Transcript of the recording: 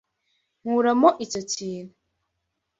Nkuramo icyo kintu.